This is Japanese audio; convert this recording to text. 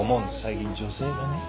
最近女性がね。